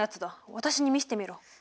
私に見せてみろ。